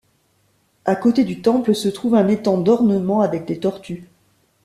À côté du temple se trouve un étang d'ornements avec des tortues.